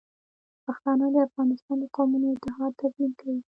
پښتانه د افغانستان د قومونو اتحاد تضمین کوي.